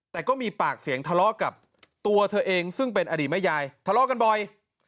แต่ก็มีปากเสียงทะเลาะกับตัวเธอเองซึ่งเป็นอดีตแม่ยายทะเลาะกันบ่อย